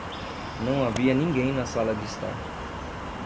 Não havia ninguém na sala de estar.